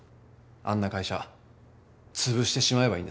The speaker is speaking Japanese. あんな会社つぶしてしまえばいいんです。